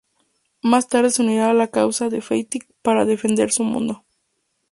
Más tarde se unirá a la causa de Fayt para defender su mundo.